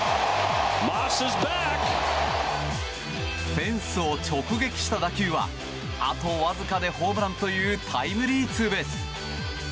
フェンスを直撃した打球はあとわずかでホームランというタイムリーツーベース。